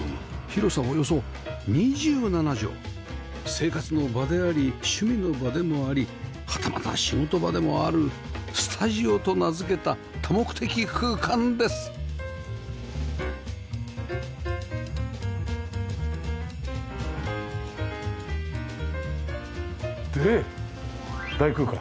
広さおよそ２７畳生活の場であり趣味の場でもありはたまた仕事場でもある「スタジオ」と名付けた多目的空間ですで大空間。